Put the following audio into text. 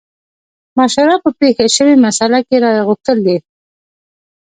مشوره په پېښه شوې مسئله کې رايه غوښتل دي.